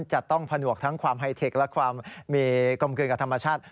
จะต้องผนวกทั้งความไฮเทคและความมีกลมกลืนกับธรรมชาติ